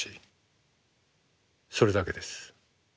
それだけです。